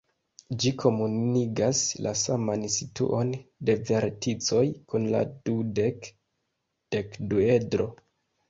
Ĝi komunigas la saman situon de verticoj kun la dudek-dekduedro.